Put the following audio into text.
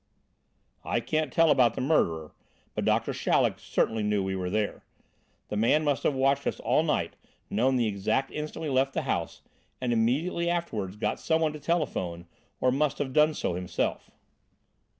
"I can't tell about the murderer, but Doctor Chaleck certainly knew we were there. That man must have watched us all night, known the exact instant we left the house, and immediately afterwards got some one to telephone or must have done so himself."